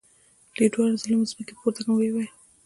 دوی دواړو زه له مځکې پورته کړم او ویې ویل.